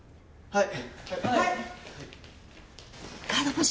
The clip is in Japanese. はい！